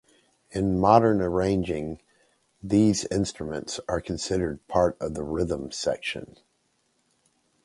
In modern arranging these instruments are considered part of the rhythm section.